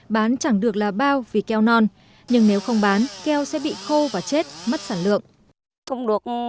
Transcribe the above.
bán chẳng được là bao vì keo non nhưng nếu không bán keo sẽ bị khô và chết mất sản lượng